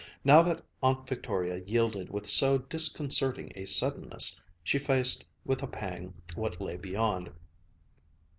Now that Aunt Victoria yielded with so disconcerting a suddenness, she faced with a pang what lay beyond.